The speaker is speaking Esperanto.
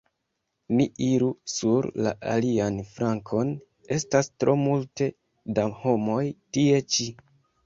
Ni iru sur la alian flankon; estas tro multe da homoj tie ĉi.